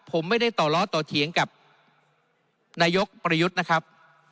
ผมไม่ได้ต่อล้อต่อเถียงกับนายกประยุทธ์นะครับ